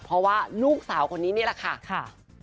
เพราะว่าลูกสาวคนนี้นี่แหละค่ะ